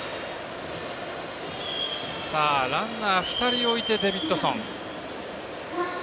ランナー、２人置いてデビッドソン。